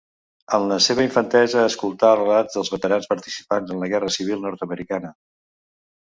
En la seva infantesa escoltà els relats dels veterans participants en la guerra civil nord-americana.